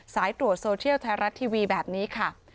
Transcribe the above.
สายตรวจโซเทียลไทยรัฐทีวีแบบนี้ค่ะ